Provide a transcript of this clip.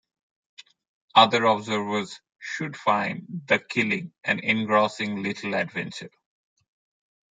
Other observers should find "The Killing" an engrossing little adventure.